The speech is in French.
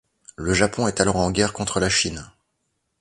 Le Japon est alors en guerre contre la Chine.